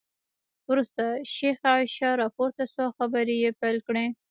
وروسته شیخه عایشه راپورته شوه او خبرې یې پیل کړې.